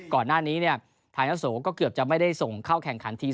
ก่อนหน้านี้เนี่ยไทยอาโสก็เกือบจะไม่ได้ส่งเข้าแข่งขันทีม